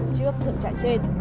trước thượng trại trên